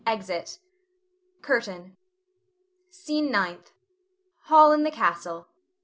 Exit._ CURTAIN. SCENE NINTH. [_Hall in the castle.